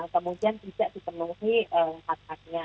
kemudian tidak dipenuhi hak haknya